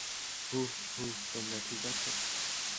হুহ, হুহ তোমরা ঠিক আছো?